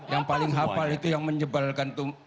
yang paling hafal itu yang menyebalkan